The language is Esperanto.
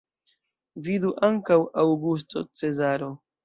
Vidu ankaŭ Aŭgusto Cezaro.